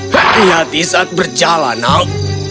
hati hati saat berjalan al